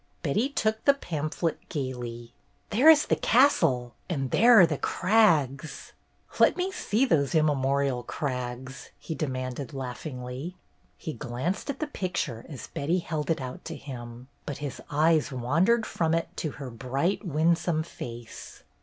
Betty took the pamphlet gayly. "There is the castle! And there are the crags I " "Let me see those 'immemorial crags,'" he demanded laughingly. He glanced at the picture as Betty held it out to him, but his eyes wandered from it to her bright, winsome face.